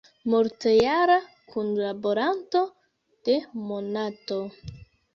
Multjara kunlaboranto de "Monato".